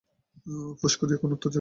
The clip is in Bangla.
ফস করিয়া কোনো উত্তর জোগাইল না।